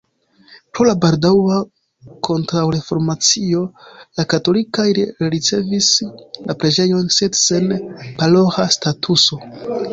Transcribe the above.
Pro la baldaŭa kontraŭreformacio la katolikoj rericevis la preĝejon, sed sen paroĥa statuso.